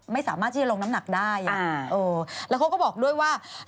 ไม่สามารถที่จะลงน้ำหนักได้แล้วเขาก็บอกด้วยว่า